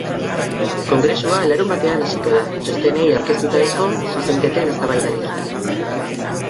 Kongresua larunbatean hasiko da, txostenei aurkeztutako zuzenketen eztabaidarekin.